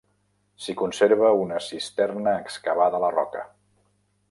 S'hi conserva una cisterna excavada a la roca.